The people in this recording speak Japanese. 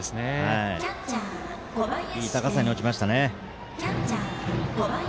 いい高さに落ちましたね。